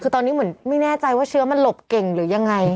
คือตอนนี้เหมือนไม่แน่ใจว่าเชื้อมันหลบเก่งหรือยังไง